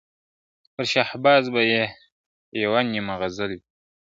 پر شهباز به یې یوه نیمه غزل وي !.